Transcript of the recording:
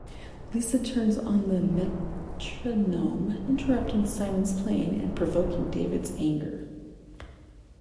Lisa turns on the metronome, interrupting Simon's playing and provoking David's anger.